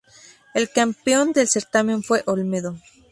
El campeón del certamen fue Olmedo.